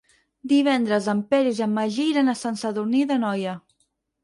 Divendres en Peris i en Magí iran a Sant Sadurní d'Anoia.